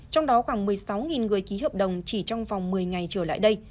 trong đó khoảng một mươi sáu người ký hợp đồng chỉ trong vòng một mươi ngày trở lại đây